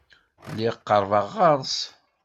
Lliɣ qerbeɣ ɣer-s.